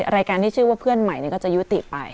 รายการที่ชื่อว่าเพื่อนใหม่ก็จะยุติไป